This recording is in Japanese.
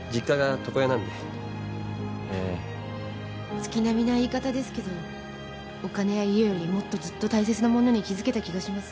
月並みな言い方ですけどお金や家よりもっとずっと大切なものに気付けた気がします。